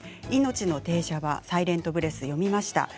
「いのちの停車場」「サイレント・ブレス」読みました。